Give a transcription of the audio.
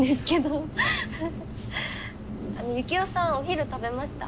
ユキオさんお昼食べました？